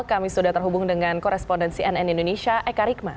kami sudah terhubung dengan korespondensi nn indonesia eka rikma